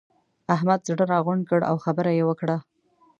احمد زړه راغونډ کړ؛ او خبره يې وکړه.